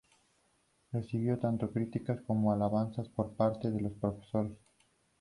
Recibió tanto críticas como alabanzas por parte de los profesores.